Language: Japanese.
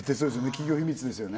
企業秘密ですよね